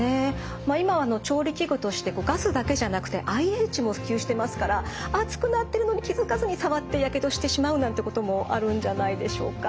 まあ今は調理器具としてガスだけじゃなくてＩＨも普及してますから熱くなってるのに気付かずに触ってやけどしてしまうなんてこともあるんじゃないでしょうか。